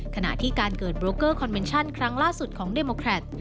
ขณะที่การเกิดโบรกเกอร์คอนเมนชั่นครั้งล่าสุดของเดโมแครต